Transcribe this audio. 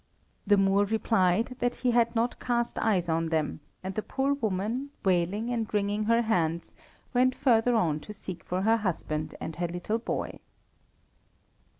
The Moor replied that he had not cast eyes on them, and the poor woman, wailing and ringing her hands, went further on to seek for her husband and her little boy.